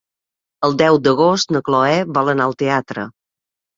El deu d'agost na Cloè vol anar al teatre.